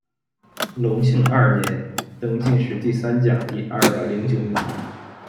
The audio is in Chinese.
隆庆二年，登进士第三甲第二百零九名。